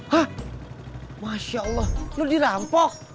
hah masya allah lo dirampok